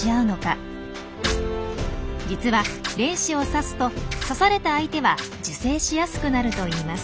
実は恋矢を刺すと刺された相手は受精しやすくなるといいます。